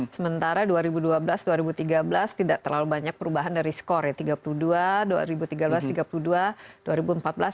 sementara dua ribu dua belas dua ribu tiga belas tidak terlalu banyak perubahan dari skor ya